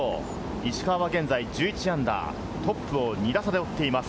石川は現在−１１トップを２打差で追っています。